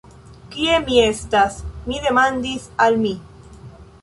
Kie mi estas? mi demandis al mi.